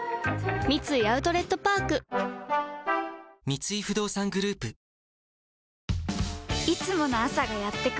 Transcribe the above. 三井アウトレットパーク三井不動産グループオミクロン